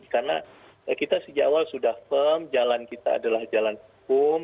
karena kita sejak awal sudah firm jalan kita adalah jalan hukum